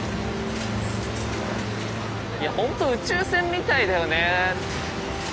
いやほんと宇宙船みたいだよね。